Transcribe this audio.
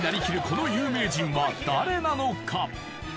この有名人は誰なのか？